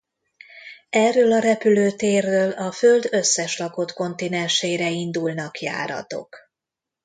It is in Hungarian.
Erről a repülőtérről a Föld összes lakott kontinensére indulnak járatok.